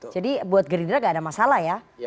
jadi buat geridra gak ada masalah ya